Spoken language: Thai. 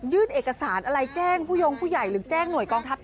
เอกสารอะไรแจ้งผู้ยงผู้ใหญ่หรือแจ้งหน่วยกองทัพ